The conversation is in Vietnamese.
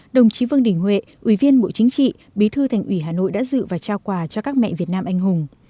đồng chí vương đình huệ ủy viên bộ chính trị bí thư thành ủy hà nội đã dự và trao quà cho các mẹ việt nam anh hùng